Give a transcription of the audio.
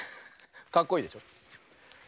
かっこいいでしょ。